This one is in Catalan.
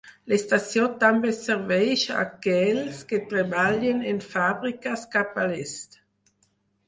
L'estació també serveix a aquells qui treballen en fàbriques cap a l'est.